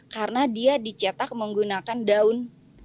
karena dia dicetak menggunakan daun